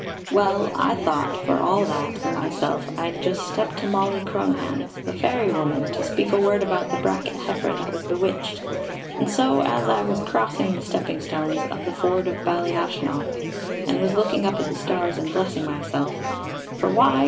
Well, I thought, for all that, in myself, I'd just step to Molly Cronohan's, the fairy woman, to speak a word about the bracket heifer that was bewitched; and so as I was crossing the stepping stones of the ford of Ballyashenogh, and was looking up at the stars and blessing myself for why?